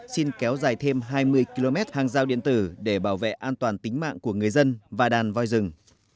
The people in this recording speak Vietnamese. xin kéo dài thêm hai mươi km hàng giao điện tử để bảo vệ an toàn tính mạng của người dân và đàn voi rừng